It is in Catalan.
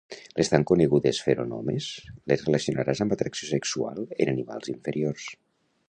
Les tan conegudes feromones les relacionaràs amb atracció sexual en animals inferiors